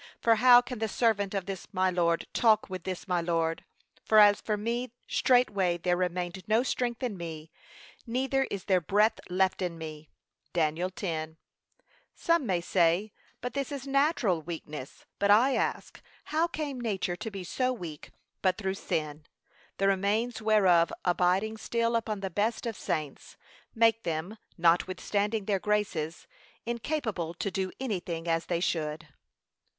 For how can the servant of this my Lord talk with this my Lord? for as for me, straightway there remained no strength in me, neither is there breath left in me.' (Dan. 10) Some may say, but this is natural weakness. But I ask, how came nature to be so weak, but through sin? the remains whereof abiding still upon the best of saints, make them, not withstanding their graces, incapable to do any thing as they should.